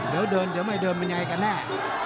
เดี๋ยวเดินเดี๋ยวไม่เดินมันยังไงกันแน่